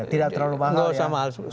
tidak terlalu mahal